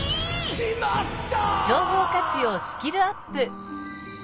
「しまった！」。